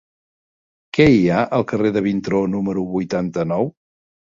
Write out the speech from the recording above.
Què hi ha al carrer de Vintró número vuitanta-nou?